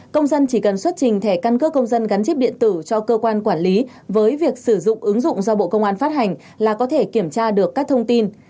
công dân chỉ cần xuất trình thẻ căn cước công dân gắn chip điện tử cho cơ quan quản lý với việc sử dụng ứng dụng do bộ công an phát hành là có thể kiểm tra được các thông tin